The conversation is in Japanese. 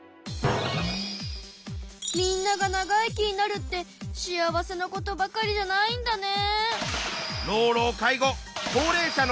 みんなが長生きになるって幸せなことばかりじゃないんだね。